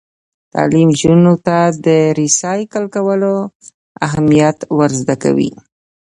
تعلیم نجونو ته د ریسایکل کولو اهمیت ور زده کوي.